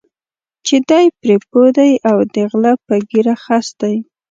چې دی پرې پوه دی او د غله په ږیره خس دی.